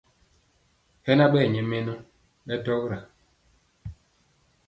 Hɛ na ɓɛɛ nyɛ mɛnɔ ɓɛ dɔra.